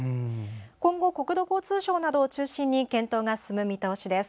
今後、国土交通省などを中心に検討が進む見通しです。